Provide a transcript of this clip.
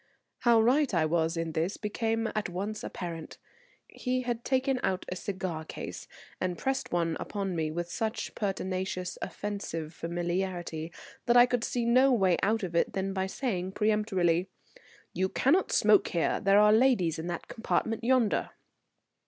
How right I was in this became at once apparent. He had taken out a cigar case and pressed one upon me with such pertinacious, offensive familiarity that I could see no way out of it than by saying peremptorily: "You cannot smoke here. There are ladies in that compartment yonder."